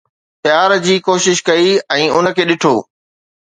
پيار جي ڪوشش ڪئي ۽ ان کي ڏٺو